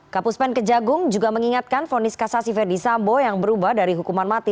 kapuspen kejagung juga mengingatkan vonis kasasi ferdisambo yang berubah dari hukuman mati